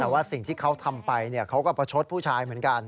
แต่ว่าสิ่งที่เขาทำไปเขาก็ประชดผู้ชายเหมือนกัน